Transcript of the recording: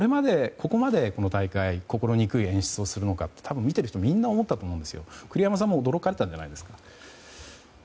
これまで心憎い演出をするのかと多分、見ている人みんなが思ったと思うんですが栗山さんも驚かれたんじゃないですか？